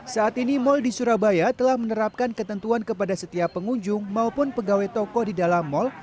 saat ini mal di surabaya telah menerapkan ketentuan kepada setiap pengunjung maupun pegawai toko di dalam mal